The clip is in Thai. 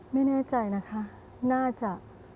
ไม่แน่ใจนะคะน่าจะ